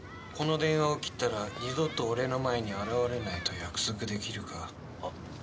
この電話を切ったら二度と俺の前に現れないと約束できるか？